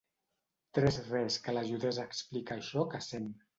Tres res que l'ajudés a explicar això que sent.